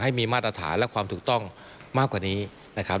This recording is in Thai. ให้มีมาตรฐานและความถูกต้องมากกว่านี้นะครับ